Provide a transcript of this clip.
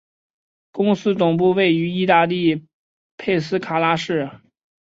公司总部位于意大利佩斯卡拉市。